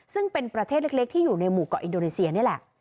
ซึ่งเป็นประเทศเล็กที่อยู่ในหมู่เกาะอินโดนีเซียนี่แหละ